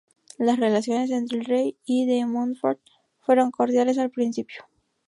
Las relaciones entre el rey y De Montfort fueron cordiales al principio.